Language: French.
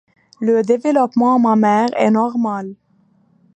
Le développement mammaire est normal.